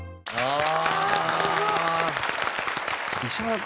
ああ！